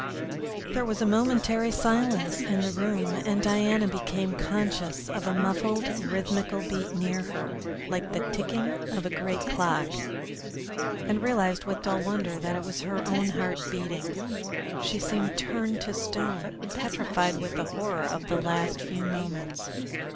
There was a momentary silence in the room, and Diana became conscious of a muffled, rhythmical beat near her, like the ticking of a great clock, and realised with dull wonder that it was her own heart beating. She seemed turned to stone, petrified with the horror of the last few moments.